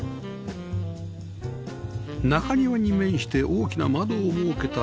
中庭に面して大きな窓を設けた浴室